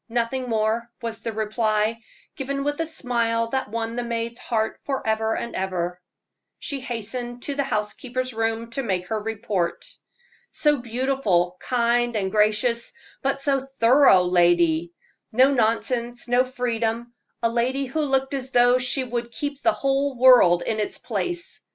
"Nothing more," was the reply, given with a smile that won the maid's heart forever and ever. She hastened to the housekeeper's room to make her report. "So beautiful, kind, and gracious; but so thorough lady no nonsense, no freedom a lady who looked as though she would keep the whole world in its place."